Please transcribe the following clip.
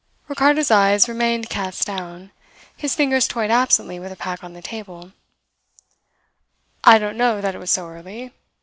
Ricardo's eyes remained cast down. His fingers toyed absently with the pack on the table. "I don't know that it was so early.